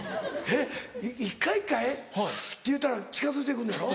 えっ一回一回スっていうたら近づいて来んのやろ？